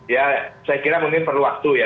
ya saya kira mungkin perlu waktu ya